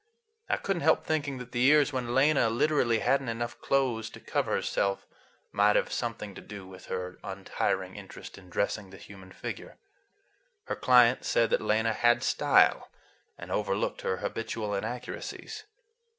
I could n't help thinking that the years when Lena literally had n't enough clothes to cover herself might have something to do with her untiring interest in dressing the human figure. Her clients said that Lena "had style," and overlooked her habitual inaccuracies.